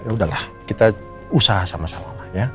yaudahlah kita usaha sama sama